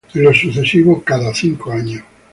En lo sucesivo, cada cinco años.